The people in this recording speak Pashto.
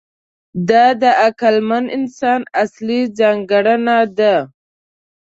دا د عقلمن انسان اصلي ځانګړنه ده.